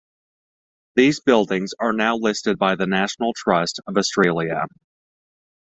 These buildings are now listed by the National Trust of Australia.